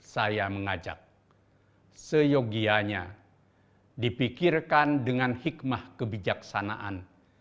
saya mengajak seyogianya dipikirkan dengan hikmah kebijaksanaan